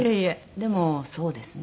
でもそうですね。